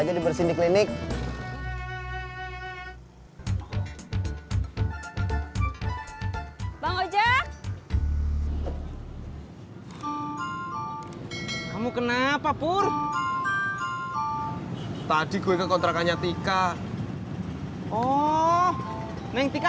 sampai jumpa di video selanjutnya